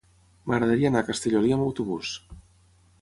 M'agradaria anar a Castellolí amb autobús.